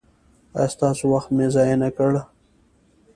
ایا ستاسو وخت مې ضایع نکړ؟